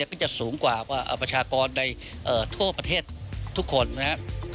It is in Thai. ก็จะสูงกว่าประชากรในทั่วประเทศทุกคนนะครับ